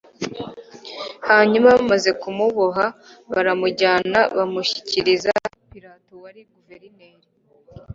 Hanyuma bamaze kumuboha baramujyana bamushyikiriza Pilato wari guverineri